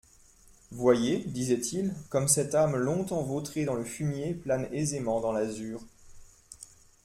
«Voyez, disaient-ils, comme cette âme longtemps vautrée dans le fumier plane aisément dans l'azur.